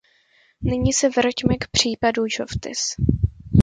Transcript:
Nyní se vraťme k případu Žovtis.